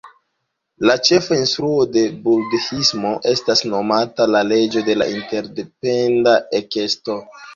La ĉefa instruo de budhismo estas nomata "la leĝo de interdependa ekesto".